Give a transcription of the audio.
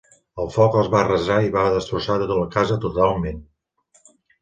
El foc els va arrasar i va destrossar la casa totalment.